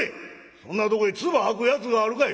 そんなとこへ唾吐くやつがあるかい！」。